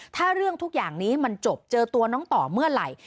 ถ้าเรื่องทุกอย่างนี้มันจบเจอตัวน้องต่อเมื่อไหร่